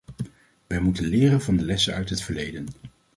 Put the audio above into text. Wij moeten leren van de lessen uit het verleden!